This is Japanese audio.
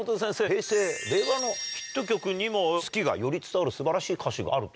平成令和のヒット曲にも好きがより伝わる素晴らしい歌詞があると。